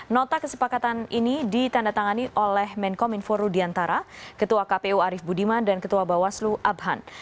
nota kesepakatan ini ditandatangani oleh menkom info rudiantara ketua kpu arief budiman dan ketua bawaslu abhan